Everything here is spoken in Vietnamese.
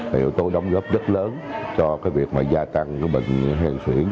là yếu tố đóng góp rất lớn cho việc gia tăng bệnh hen xuyển